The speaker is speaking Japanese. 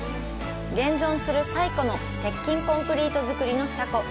現存する最古の鉄筋コンクリート造りの車庫。